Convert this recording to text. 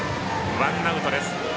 ワンアウトです。